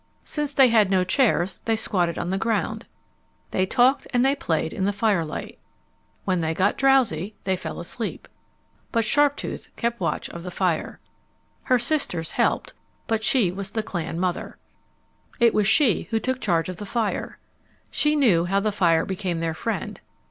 Since they had no chairs they squatted on the ground. They talked and they played in the firelight. When they got drowsy they fell asleep. But Sharptooth kept watch of the fire. Her sisters helped, but she was the clan mother. It was she who took charge of the fire. She knew how the fire became their friend.